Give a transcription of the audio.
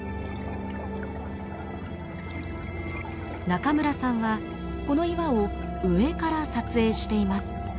中村さんはこの岩を上から撮影しています。